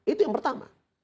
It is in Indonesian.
itu yang pertama